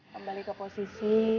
kembali ke posisi